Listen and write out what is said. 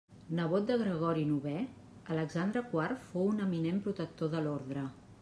Nebot de Gregori novè, Alexandre quart fou un eminent protector de l'orde.